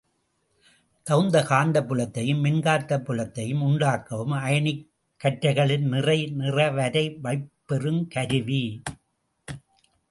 தகுந்த காந்தப் புலத்தையும் மின்காந்தப் புலத்தையும் உண்டாக்கவும், அயனிக் கற்றைகளின் நிறை நிறவரை வைப் பெறுங் கருவி.